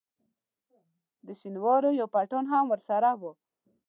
د شینوارو یو پټان هم راسره وو.